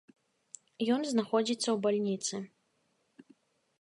Ён знаходзіцца ў бальніцы.